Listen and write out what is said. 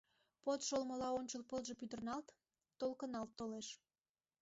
Под шолмыла ончыл пылже пӱтырналт, толкыналт толеш.